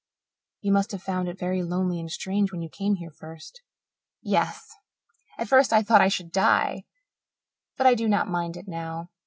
"You must have found it very lonely and strange when you came here first." "Yes. At first I thought I should die but I do not mind it now.